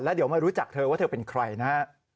เดี๋ยวมารู้จักเธอว่าเธอเป็นใครนะฮะ